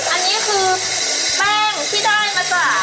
อันนี้คือแป้งที่ได้มาจาก